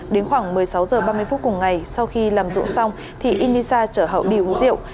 đến khoảng một mươi sáu h ba mươi phút cùng ngày sau khi làm dụng xong thì inisa chở hậu đi uống rượu